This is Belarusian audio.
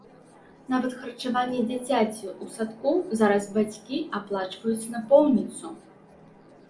Нават харчаванне дзіцяці ў садку зараз бацькі аплачваюць напоўніцу.